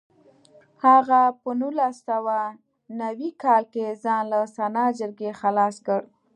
هغه په نولس سوه نوي کال کې ځان له سنا جرګې خلاص کړ.